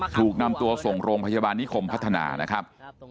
ถูกนำตัวส่งโรงพยาบาลนิคมพัฒนานะครับ